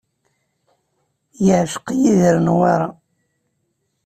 Yeɛceq Yidir Newwara.